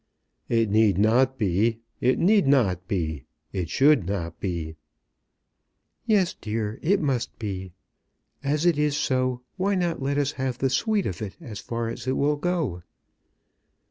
"It need not be; it need not be. It should not be." "Yes, dear, it must be. As it is so why not let us have the sweet of it as far as it will go?